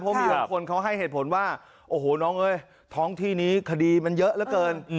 เพราะมีบางคนเขาให้เหตุผลว่าโอ้โหน้องเอ้ยท้องที่นี้คดีมันเยอะเหลือเกิน